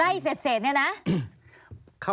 ไร่เศษเนี่ยนะ